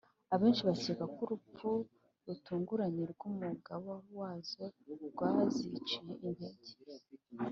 abenshi bakeka ko urupfu rutunguranye rw'umugaba wazo rwaziciye intege